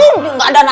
enggak ada nangka